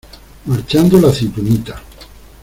marchando la aceitunita.